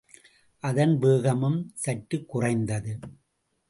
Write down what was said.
அதன் வேகமும் சற்றுக் குறைந்தது.